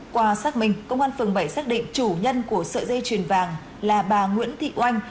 qua xác minh công an phường bảy xác định chủ nhân của sợi dây chuyền vàng là bà nguyễn thị oanh